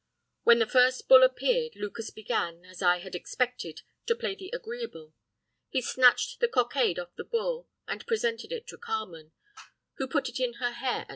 When the first bull appeared Lucas began, as I had expected to play the agreeable; he snatched the cockade off the bull and presented it to Carmen, who put it in her hair at once.